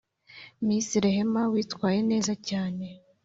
Miss Rehema witwaye neza cyane